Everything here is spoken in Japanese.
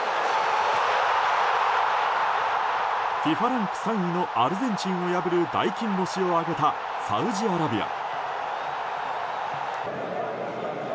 ＦＩＦＡランク３位のアルゼンチンを破る大金星を挙げたサウジアラビア。